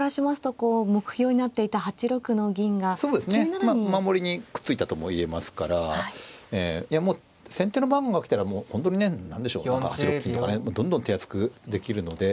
まあ守りにくっついたとも言えますからいやもう先手の番が来たらもう本当にね何でしょう何か８六金とかねどんどん手厚くできるので。